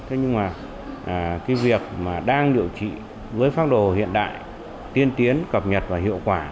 thế nhưng mà cái việc mà đang điều trị với pháp đồ hiện đại tiên tiến cập nhật và hiệu quả